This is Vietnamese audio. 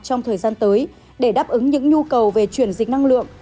trong thời gian tới để đáp ứng những nhu cầu về chuyển dịch năng lượng